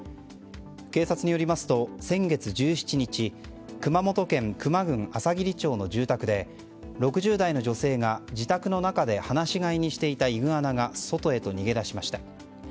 警察によりますと、先月１７日熊本県球磨郡あさぎり町の住宅で６０代の女性が自宅の中で放し飼いにしていたイグアナが外へと逃げ出しました。